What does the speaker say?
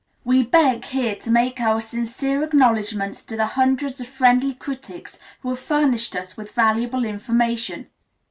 We beg, here, to make our sincere acknowledgments to the hundreds of friendly critics who have furnished us with valuable information.